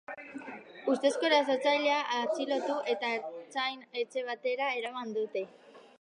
Ustezko erasotzailea atxilotu eta ertzain-etxe batera eraman dute.